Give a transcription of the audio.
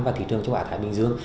và thị trường châu á thái bình dương